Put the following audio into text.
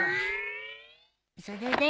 それで？